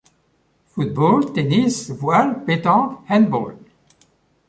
Football, tennis, voile, pétanque, handball.